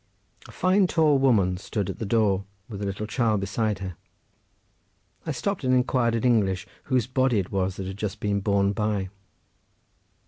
A fine, tall woman stood at the door, with a little child beside her. I stopped and inquired in English whose body it was that had just been borne by.